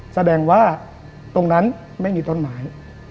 แสดงว่าตรงนั้นไม่มีต้นไม้